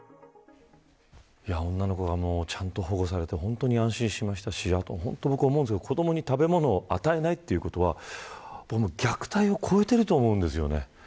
女の子がちゃんと保護されて本当に安心しましたし僕は思いますけど、子どもに食べ物を与えないということは虐待を超えていると思います。